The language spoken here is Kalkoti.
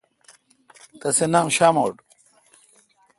تسے نام شاموٹ۔